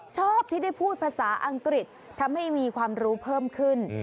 ชอบที่ได้พูดภาษาอังกฤษทำให้มีความรู้เพิ่มขึ้น